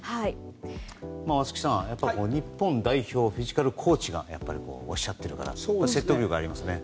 松木さん、日本代表のフィジカルコーチがおっしゃっているから説得力がありますね。